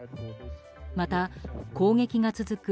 また、攻撃が続く